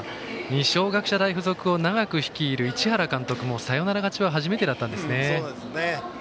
二松学舎大付属を長く率いる市原監督もサヨナラ勝ちは初めてだったんですね。